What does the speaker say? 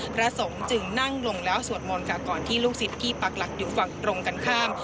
พระสงฆ์จึงนั่งลงแล้วสวดมนต์ค่ะก่อนที่ลูกศิษย์ที่ปักหลักอยู่ฝั่งตรงกันข้าม